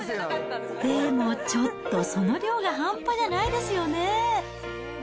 でもちょっと、その量が半端じゃないですよね。